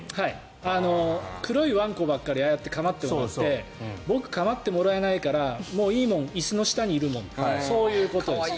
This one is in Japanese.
黒いワンコばかりああやって構ってもらって僕、構ってもらえないからもういいもん椅子の下にいるもんってそういうことです。